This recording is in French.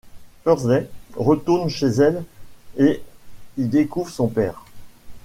Thursday retourne chez elle et y découvre son père.